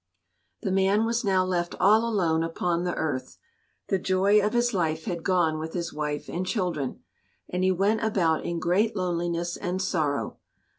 The man was now left all alone upon the earth. The joy of his life had gone with his wife and children, and he went about in great loneliness and sorrow.